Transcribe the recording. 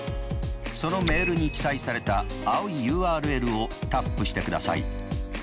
そのメールに記載された青いＵＲＬをタップしてください。